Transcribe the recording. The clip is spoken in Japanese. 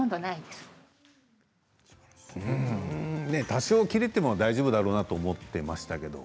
多少切れても大丈夫だろうなと思ってましたけど